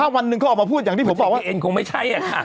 ถ้าวันหนึ่งเขาออกมาพูดอย่างนี้ผมบอกว่าเจ็กเทอร์เอ็นคงไม่ใช่อ่ะค่ะ